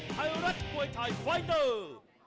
ไทยรัฐมวยไทยไฟเตอร์